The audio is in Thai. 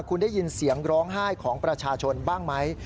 คุณได้ยินเสียงร้องไห้ของประชาชนบ้างไหม